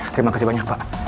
terima kasih banyak pak